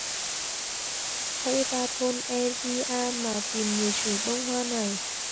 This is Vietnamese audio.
Hãy ra thôn e ri a mà tìm người chủ bông hoa này